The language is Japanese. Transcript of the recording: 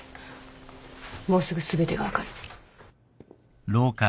もうすぐ全てが分かる。